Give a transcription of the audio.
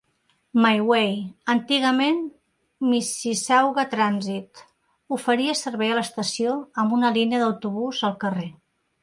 MiWay, antigament Mississauga Transit, oferia servei a l'estació amb una línia d'autobús al carrer.